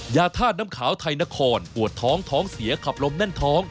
ยาธาตุน้ำขาวไทยนครปวดท้องท้องเสียขับลมแน่นท้อง